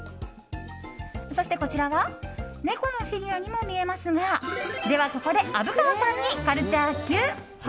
そして、こちらは猫のフィギュアにも見えますがでは、ここで虻川さんにカルチャーＱ！